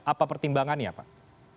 apa pertimbangannya pak